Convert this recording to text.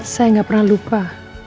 saya nggak pernah lupa